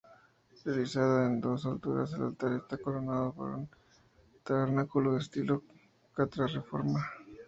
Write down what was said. Realizada en dos alturas, el altar está coronado por un tabernáculo de estilo contrarreforma.